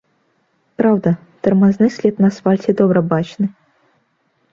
Праўда, тармазны след на асфальце добра бачны.